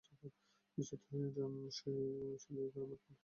নিশ্চিত হয়ে যান যে, এটা তার সাথি ইকরামার কণ্ঠস্বর।